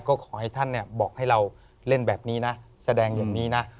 ก็ขอให้ท่านบอกให้เราเล่นแบบนี้นะแสดงอย่างนี้นะ